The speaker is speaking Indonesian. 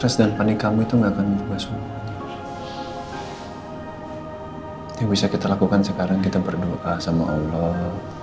sekarang kita berdoa sama allah